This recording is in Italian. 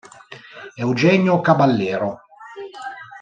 Eugenio Caballero